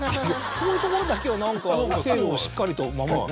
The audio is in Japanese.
そういうところだけは何か制度をしっかりと守って。